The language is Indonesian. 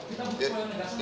itu tidak ada perban jiwa